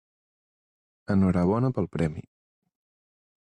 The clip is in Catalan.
Enhorabona pel premi.